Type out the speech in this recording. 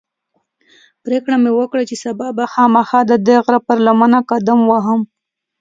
پرېکړه مې وکړه چې سبا به خامخا ددې غره پر لمنه قدم وهم.